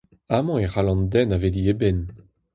Amañ e c'hall an den aveliñ e benn !